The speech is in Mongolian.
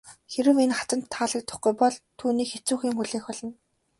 Хэрэв энэ хатанд таалагдахгүй бол таныг хэцүүхэн юм хүлээх болно.